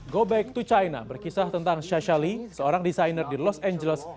go back to china berkisah tentang syah shali seorang desainer di los angeles